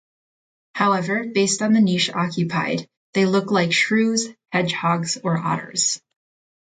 However, based on the niche occupied, they look like shrews, hedgehogs or otters.